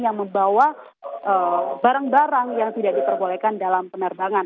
yang membawa barang barang yang tidak diperbolehkan dalam penerbangan